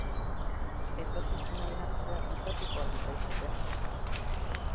Etorkizuna igartzea gustatuko al litzaizueke?